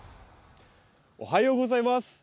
おはようございます。